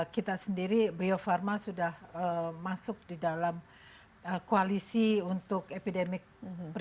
kita sendiri bio farma sudah masuk di dalam koalisi untuk epidemic preparedness innovation